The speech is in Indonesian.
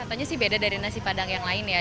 rasanya sih beda dari nasi padang yang lain ya